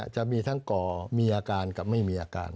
จะมีทั้งก่อมีอาการกับไม่มีอาการ